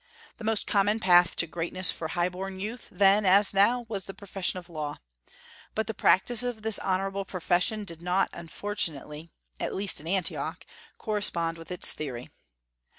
The most common path to greatness for high born youth, then as now, was the profession of the law. But the practice of this honorable profession did not, unfortunately, at least in Antioch, correspond with its theory.